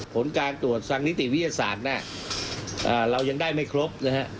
ผลการตรวจทางนิติวิทยาศาสตร์น่ะเรายังได้ไม่ครบนะฮะ